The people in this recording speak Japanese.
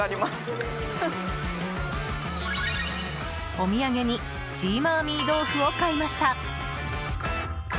お土産にジーマーミ豆腐を買いました！